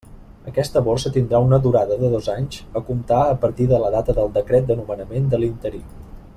Aquesta borsa tindrà una durada de dos anys, a comptar a partir de la data del Decret de nomenament de l'interí.